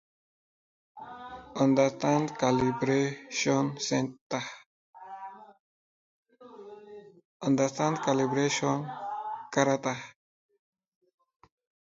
The compound has been crystallized as diverse hydrates.